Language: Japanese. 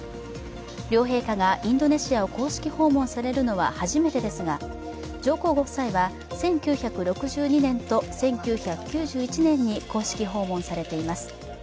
両陛下がインドネシアを公式訪問されるのは初めてですが上皇ご夫妻は１９６２年と１９９１年に公式訪問されています。